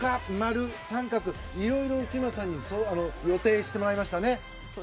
〇、△といろいろ内村さんに予定してもらいました。